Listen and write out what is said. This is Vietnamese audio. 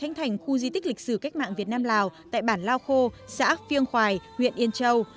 đây là hành khu di tích lịch sử cách mạng việt nam lào tại bản lao khô xã phiêng khoài huyện yên châu